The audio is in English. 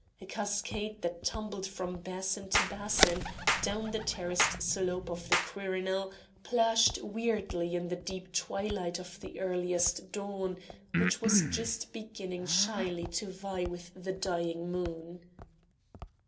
A cascade that tumbled from basin to basin, down the terraced slope of the Quirinal, plashed weirdly in the deep twilight of the earliest dawn, which was just beginning shyly to vie with the dying moon.